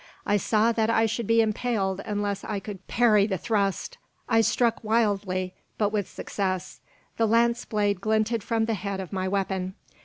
I saw that I should be impaled unless I could parry the thrust. I struck wildly, but with success. The lance blade glinted from the head of my weapon.